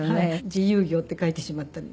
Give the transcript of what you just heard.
自由業って書いてしまったり。